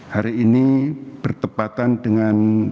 hari ini bertepatan dengan